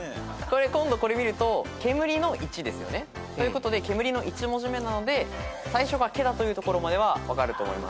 今度これ見ると「けむり」の１ですよね。ということで「けむり」の１文字目なので最初が「け」だというところまでは分かると思います。